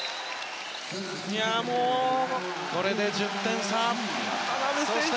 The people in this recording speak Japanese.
これで１０点差！